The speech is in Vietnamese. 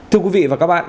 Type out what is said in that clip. thưa quý vị và các bạn